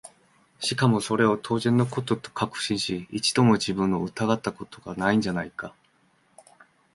しかもそれを当然の事と確信し、一度も自分を疑った事が無いんじゃないか？